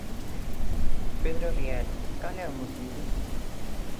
Pedro Rielo, cal é o motivo?